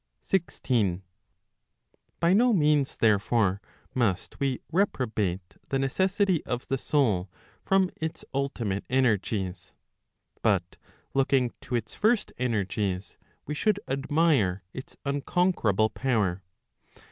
16 . By no means, therefore, must we reprobate the necessity of the soul from its ultimate energies, but looking to its first energies, we should admire its unconquerable power.